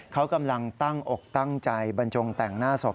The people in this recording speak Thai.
เขากำลังตั้งอกตั้งใจบรรจงแต่งหน้าศพ